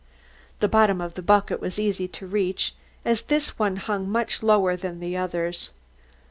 The bottom of the bucket was easy to reach, as this one hung much lower than the others.